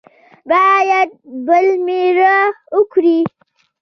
باید بل مېړه وکړي.